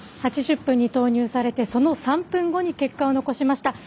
８０分に投入されその３分後に結果を残しました。